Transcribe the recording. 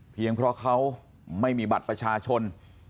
เพราะเขาไม่มีบัตรประชาชน